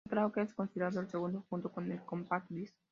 El karaoke es considerado el segundo, junto con el compact disc.